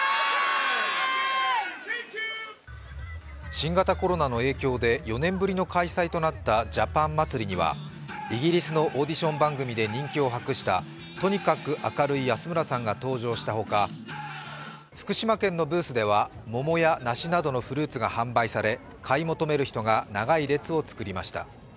新型コロナの影響で４年ぶりの開催となったジャパン祭りでは、イギリスのオーディション番組で人気を博したとにかく明るい安村さんが登場したほか、福島県のブースでは桃や梨などのフルーツが販売され、買い求める人が長い列を作りました。